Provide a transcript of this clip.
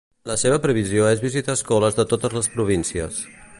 La seva previsió és visitar escoles de totes les províncies.